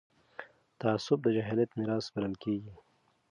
تعصب د جاهلیت میراث بلل کېږي